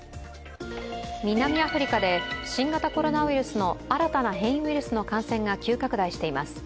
南アフリカで新型コロナウイルスの新たな変異ウイルスの感染が急拡大しています。